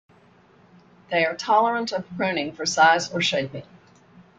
They are tolerant of pruning for size or shaping.